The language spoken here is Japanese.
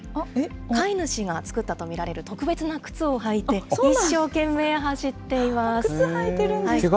飼い主が作ったと見られる特別な靴を履いて、一生懸命走っていま靴履いてるんですか。